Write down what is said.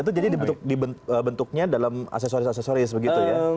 itu jadi bentuknya dalam aksesoris aksesoris begitu ya